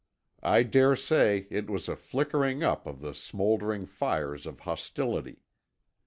I dare say it was a flickering up of the smoldering fires of hostility.